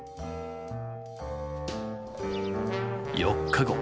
４日後。